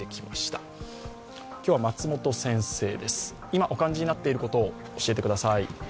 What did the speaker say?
今、お感じになっていることを教えてください。